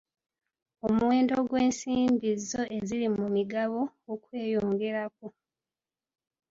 Omuwendo gw'ensimbi zo eziri mu migabo okweyongerako.